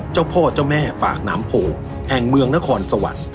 เจ้าพ่อเจ้าแม่ปากน้ำโพแห่งเมืองนครสวรรค์